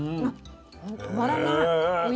止まらない。